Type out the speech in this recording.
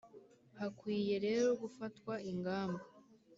hakwiye rero gufatwa ingamba